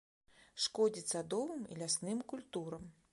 Шкодзіць садовым і лясным культурам.